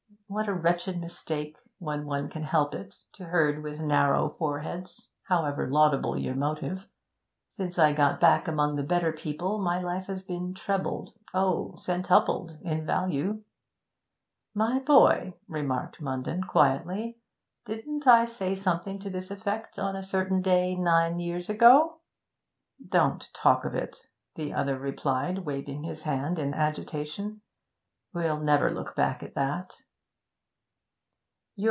What a wretched mistake, when one can help it, to herd with narrow foreheads, however laudable your motive! Since I got back among the better people my life has been trebled oh, centupled in value!' 'My boy,' remarked Munden quietly, 'didn't I say something to this effect on a certain day nine years ago?' 'Don't talk of it,' the other replied, waving his hand in agitation. 'We'll never look back at that.'